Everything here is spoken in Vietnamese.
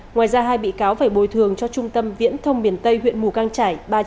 ngoài ra hai bị cáo phải bồi thường cho trung tâm viễn thông miền tây huyện mù cang trải ba triệu đồng